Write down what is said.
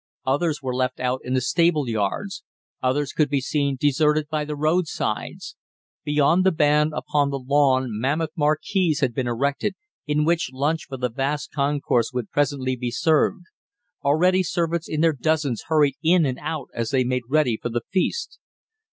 Others were left out in the stable yards. Others could be seen, deserted by the roadsides. Beyond the band upon the lawn mammoth marquees had been erected, in which lunch for the vast concourse would presently be served. Already servants in their dozens hurried in and out as they made ready for the feast.